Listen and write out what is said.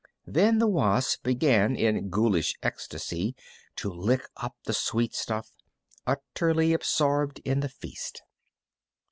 Then the wasp began in ghoulish ecstasy to lick up the sweet stuff, utterly absorbed in the feast.